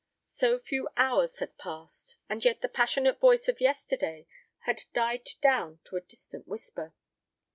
So few hours had passed, and yet the passionate voice of yesterday had died down to a distant whisper.